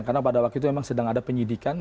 karena pada waktu itu memang sedang ada penyidikan